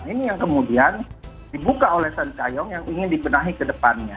ini yang kemudian dibuka oleh cintayong yang ingin dibenahi kedepannya